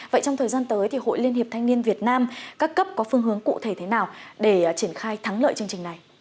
vậy trong thời gian tới thì hội liên hiệp thanh niên việt nam các cấp có phương hướng cụ thể thế nào để triển khai thắng lợi chương trình này